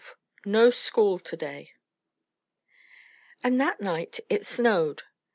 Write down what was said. XII NO SCHOOL TO DAY And that night it snowed.